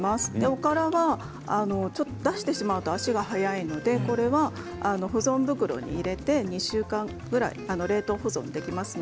おからは出してしまうと足が早いので保存袋に入れて２週間ぐらい冷凍保存ができます。